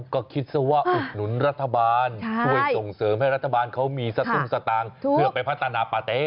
ก็คิดสิว่าอุดหนุนรัฐบาลคุยส่งเสริมให้รัฐบาลเขามีสรุปอุดสะตางเพื่อไปพัฒนปเต